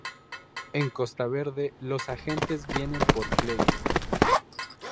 En Costa Verde los agentes vienen por Claire.